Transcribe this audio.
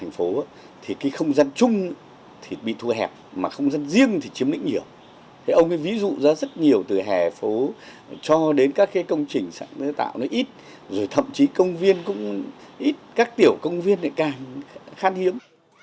nhiều từ hẻ phố cho đến các công trình sáng tạo nó ít rồi thậm chí công viên cũng ít các tiểu công viên càng khát hiếm